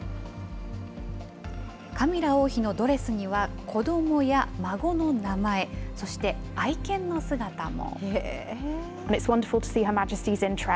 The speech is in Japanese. カミラ王妃のドレスには、子どもや孫の名前、そして愛犬の姿も。